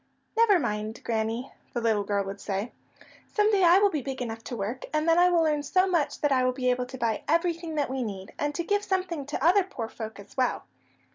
"Never mind, Granny," the little girl would say. "Some day I will be big enough to work, and then I will earn so much that I will be able to buy everything that we need, and to give something to other poor folk as well."